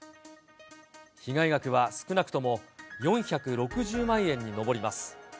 被害額は少なくとも４６０万円に上ります。